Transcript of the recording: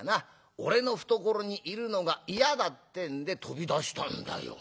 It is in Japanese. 俺の懐にいるのが嫌だってんで飛び出したんだよ。